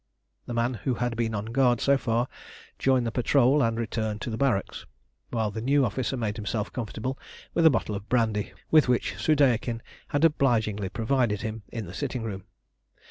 The man who had been on guard so far joined the patrol and returned to the barracks, while the new officer made himself comfortable with a bottle of brandy, with which Soudeikin had obligingly provided him, in the sitting room.